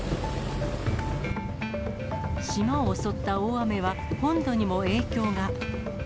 島を襲った大雨は本土にも影響が。